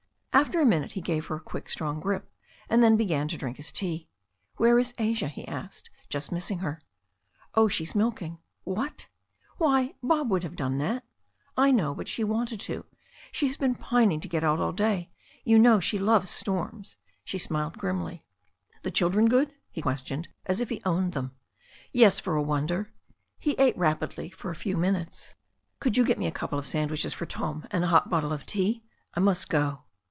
After a minute he gave her a quick, strong grip, and then began to drink his tea. "Where is Asia?" he asked, just missing her. "Oh, she's milking." "What ! Why, Bob would have done that." "I know. But she wanted to. She has been pining to get out all day. You know, she loves storms." She smiled grimly. The children good?" he questioned, as if he owned them. Yes, for a wonder." He ate rapidly for a few minutes. "Could you get me a couple of sandwiches for Tom and a hot bottle of tea? I must go."